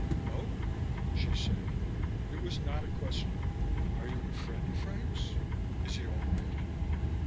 "Oh," she said. It was not a question. "Are you a friend of Frank's? Is he all right?"